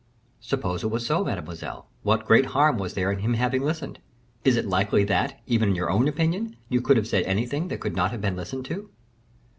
"Suppose it was so, mademoiselle, what great harm was there in his having listened? Is it likely that, even in your own opinion, you would have said anything which could not have been listened to?"